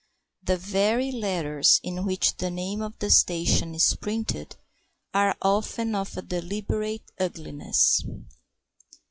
The very letters in which the name of the station is printed are often of a deliberate ugliness.